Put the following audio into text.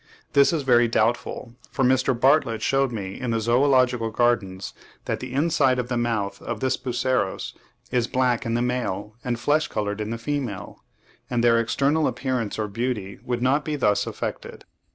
This is very doubtful; for Mr. Bartlett shewed me in the Zoological Gardens that the inside of the mouth of this Buceros is black in the male and flesh coloured in the female; and their external appearance or beauty would not be thus affected.